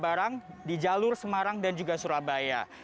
barang di jalur semarang dan juga surabaya